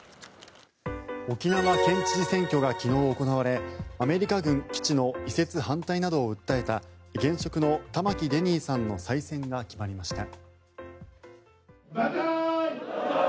沖縄県知事選挙が昨日行われアメリカ軍基地の移設反対などを訴えた現職の玉城デニーさんの再選が決まりました。